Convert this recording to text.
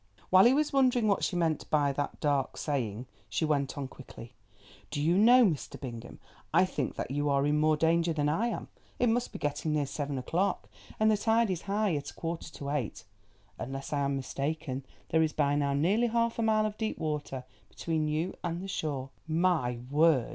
While he was wondering what she meant by that dark saying, she went on quickly: "Do you know, Mr. Bingham, I think that you are in more danger than I am. It must be getting near seven o'clock, and the tide is high at a quarter to eight. Unless I am mistaken there is by now nearly half a mile of deep water between you and the shore." "My word!"